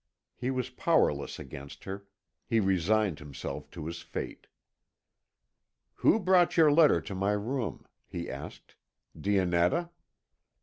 He was powerless against her; he resigned himself to his fate. "Who brought your letter to my room?" he asked. "Dionetta."